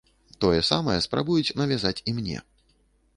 Тое самае спрабуюць навязаць і мне.